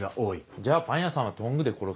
じゃあパン屋さんはトングで殺すの？